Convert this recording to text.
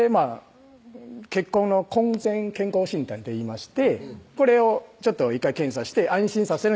結婚の婚前健康診断っていいましてこれを１回検査して安心させる